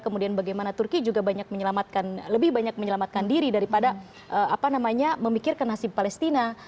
kemudian bagaimana turki juga banyak menyelamatkan lebih banyak menyelamatkan diri daripada memikirkan nasib palestina